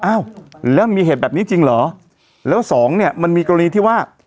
อ้าวแล้วมีเหตุแบบนี้จริงเหรอแล้วสองเนี่ยมันมีกรณีที่ว่า